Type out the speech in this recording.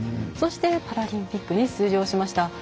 そして、パラリンピックに出場しました。